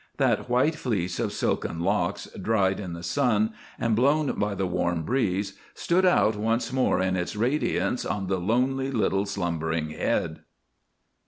That white fleece of silken locks, dried in the sun and blown by the warm breeze, stood out once more in its radiance on the lonely little slumbering head.